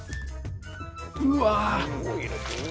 うわ！